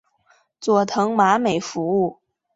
佐藤麻美服务。